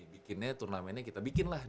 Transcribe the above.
bikinnya turnamennya kita bikin lah nih mas